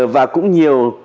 và cũng nhiều